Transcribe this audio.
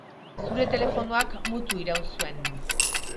Zure telefonoak mutu iraun zuen.